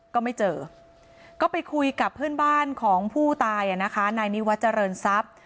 ก็ไม่เจอก็ไปคุยกับเพื่อนบ้านของผู้ตายนายนิวัตรเจริญทรัพย์